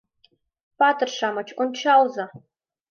— Патыр-шамыч, ончалза!